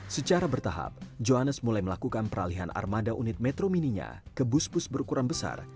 secara bertahap johannes mulai melakukan peralihan armada unit metro mininya ke bus bus berukuran besar